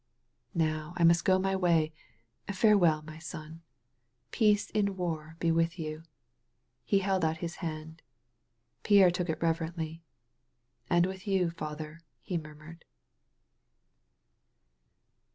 '' "Now I must go my way. Farewell, my son. Peace in war be with you." He held out his hand. Pierre took it reverently. "And with you. Father," he murmured.